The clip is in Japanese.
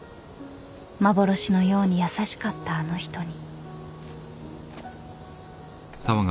幻のように優しかったあの人に］